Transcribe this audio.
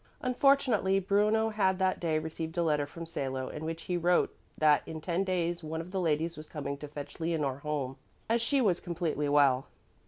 Unfortunately Bruno had that day received a letter from Salo, in which he wrote that in ten days one of the ladies was coming to fetch Leonore home, as she was completely well.